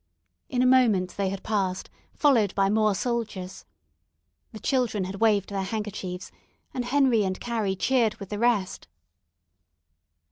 In a moment they had passed, followed by more soldiers. The children had waved their handkerchiefs, and Henry and Carrie cheered with the rest.